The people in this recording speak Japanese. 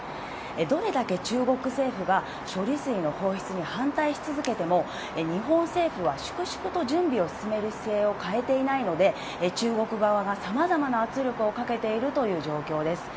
どれだけ中国政府が処理水の放出に反対し続けても、日本政府は粛々と準備を進める姿勢を変えていないので、中国側がさまざまな圧力をかけているという状況です。